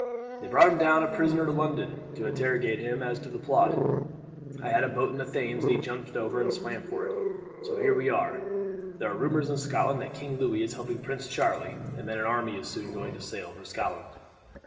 "They brought him down a prisoner to London, to interrogate him as to the plot. I had a boat in the Thames and he jumped over and swam for it; so here we are. There are rumours in Scotland that King Louis is helping Prince Charlie, and that an army is soon going to sail for Scotland."